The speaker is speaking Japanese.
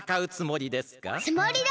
つもりだ！